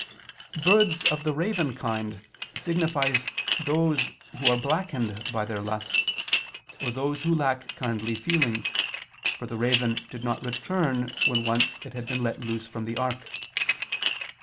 Birds of the raven kind signify those who are blackened by their lusts; or those who lack kindly feelings, for the raven did not return when once it had been let loose from the ark.